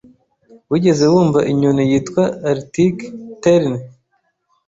Wigeze wumva inyoni yitwa Arctic Tern?